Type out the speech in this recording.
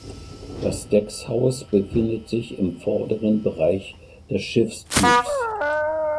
Das Deckshaus befindet sich im vorderen Bereich des Schiffstyps.